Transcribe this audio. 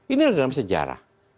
ini dalam sejarah